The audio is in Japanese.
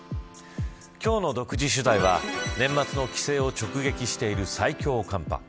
今日の独自取材は年末の帰省を直撃している最強寒波。